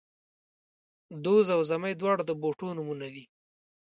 دوز او زمۍ، دواړه د بوټو نومونه دي